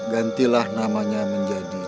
gantilah namanya menjadi